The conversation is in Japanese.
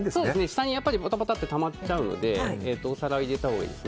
下にポタポタとたまっちゃうのでお皿を入れたほうがいいです。